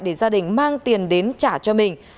để gia đình mang tiền đến trả cho mình